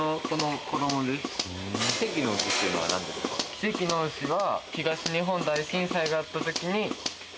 奇跡の牛は。